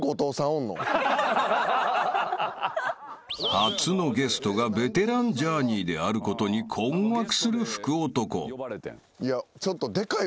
［初のゲストがベテランジャーニーであることに困惑する福男］